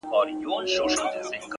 • بدراتلونکی دې مستانه حال کي کړې بدل،